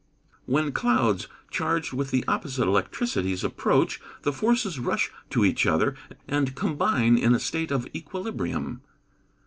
_ When clouds, charged with the opposite electricities approach, the forces rush to each other, and combine in a state of equilibrium.